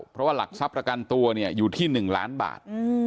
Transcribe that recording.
เพราะว่าหลักทรัพย์ประกันตัวเนี่ยอยู่ที่๑ล้านบาท